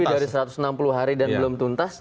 lebih dari satu ratus enam puluh hari dan belum tuntas